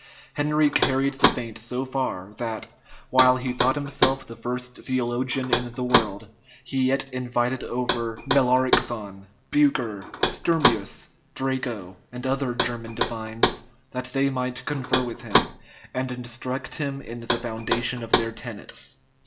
[*] Henry carried the feint so far, that, while he thought himself the first theologian in the world, he yet invited over Melaricthon, Bucer, Sturmius, Draco, and other German divines, that they might confer with him, and instruct him in the foundation of their tenets.